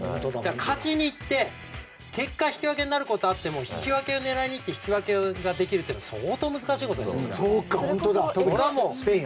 勝ちに行って、結果引き分けになることはあっても引き分けを狙って引き分けができるというのは相当難しいことだから。